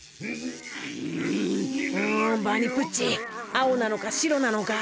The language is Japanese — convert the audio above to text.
うんバニプッチ青なのか白なのか。